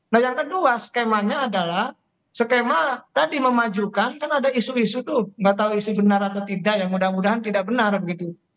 nah yang kedua skemanya adalah skema tadi memajukan kan ada isu isu tuh nggak tahu isu benar atau tidak ya mudah mudahan tidak benar begitu